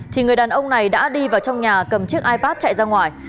thì người đàn ông này đã đi vào trong nhà cầm chiếc ipad chạy ra ngoài